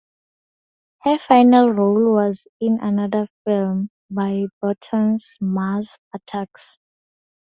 Her final role was in another film by Burton, Mars Attacks!